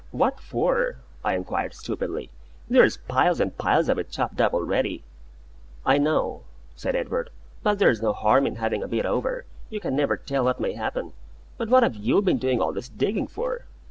"What for?" I inquired, stupidly. "There's piles and piles of it chopped up already." "I know," said Edward; "but there's no harm in having a bit over. You never can tell what may happen. But what have you been doing all this digging for?"